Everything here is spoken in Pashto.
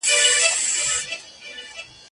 د جهاني دغه غزل دي له نامه ښکلې ده